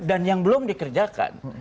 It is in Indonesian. dan yang belum dikerjakan